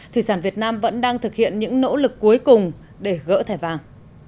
thủy sản việt nam vẫn đang thực hiện những nỗ lực cuối cùng để gỡ thẻ vàng